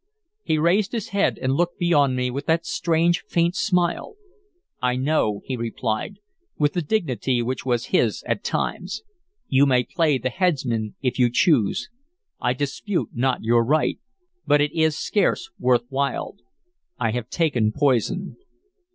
He raised his head and looked beyond me with that strange, faint smile. "I know," he replied, with the dignity which was his at times. "You may play the headsman, if you choose. I dispute not your right. But it is scarce worth while. I have taken poison."